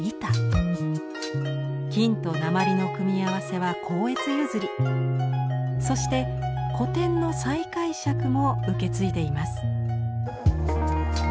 金と鉛の組み合わせは光悦譲りそして古典の再解釈も受け継いでいます。